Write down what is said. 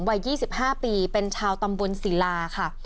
วัย๒๕ปีเป็นชาวตำบลศิลาค่ะ